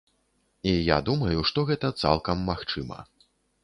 І я думаю, што гэта цалкам магчыма.